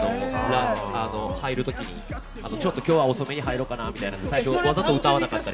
入るときに、ちょっときょうは遅めに入ろうかなみたいな、わざと歌わなかったり。